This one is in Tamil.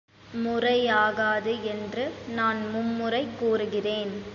முறையாகாது என்று நான் மும்முறை கூறுகிறேன்.